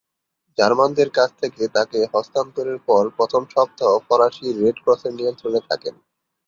জার্মানদের কাছ থেকে তাকে স্থানান্তরের পর প্রথম সপ্তাহ ফরাসী রেড ক্রসের নিয়ন্ত্রণে থাকেন।